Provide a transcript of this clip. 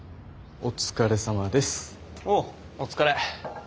おうお疲れ。